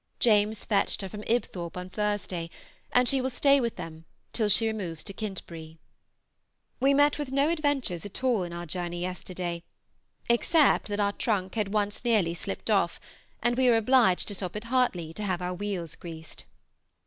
James fetched her from Ibthorp on Thursday, and she will stay with them till she removes to Kintbury. We met with no adventures at all in our journey yesterday, except that our trunk had once nearly slipped off, and we were obliged to stop at Hartley to have our wheels greased.